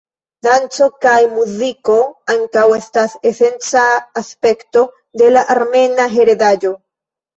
Danco kaj muziko ankaŭ estas esenca aspekto de la Armena Heredaĵo.